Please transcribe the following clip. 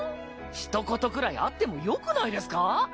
ひと言くらいあってもよくないですか？